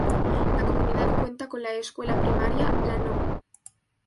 La comunidad cuenta con la escuela primaria, la No.